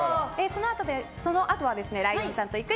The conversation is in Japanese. そのあとはライオンちゃんと行く！